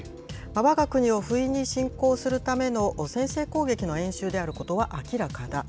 わが国を不意に侵攻するための先制攻撃の演習であることは明らかだ。